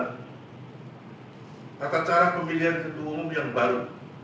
tata cara pemilihan ketua umum yang baru